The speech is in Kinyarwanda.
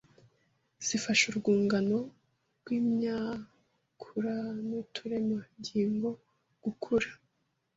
zifasha urwungano rw’imyakura n’uturemangingo gukura.